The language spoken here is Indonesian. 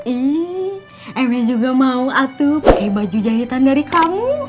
ih emi juga mau atu pakai baju jahitan dari kamu